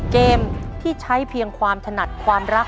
เกมที่ใช้เพียงความถนัดความรัก